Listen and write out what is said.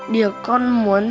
điều con muốn